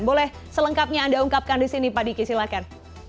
boleh selengkapnya anda ungkapkan di sini pak diki silakan